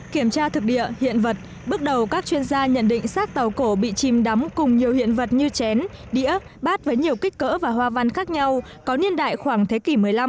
kiểm tra thực địa hiện vật bước đầu các chuyên gia nhận định sát tàu cổ bị chìm đắm cùng nhiều hiện vật như chén đĩa bát với nhiều kích cỡ và hoa văn khác nhau có niên đại khoảng thế kỷ một mươi năm